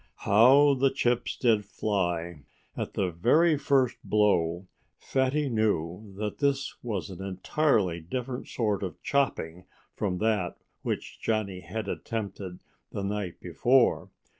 How the chips did fly! At the very first blow Fatty knew that this was an entirely different sort of chopping from that which Johnnie had attempted the night before.